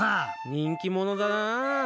人気者だな。